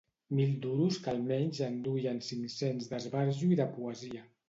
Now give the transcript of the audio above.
Mil duros que al menys en duien cinc-cents d'esbarjo i de poesia